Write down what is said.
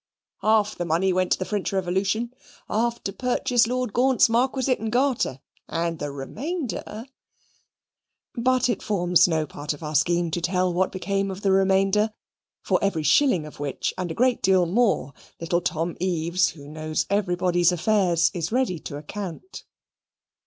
Half of the money went to the French Revolution, half to purchase Lord Gaunt's Marquisate and Garter and the remainder " but it forms no part of our scheme to tell what became of the remainder, for every shilling of which, and a great deal more, little Tom Eaves, who knows everybody's affairs, is ready to account.